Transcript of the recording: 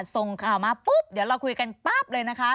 ส่งข่าวมาปุ๊บเดี๋ยวเราคุยกันปั๊บเลยนะคะ